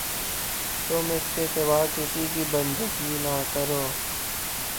تم اس کے سوا کسی کی بندگی نہ کرو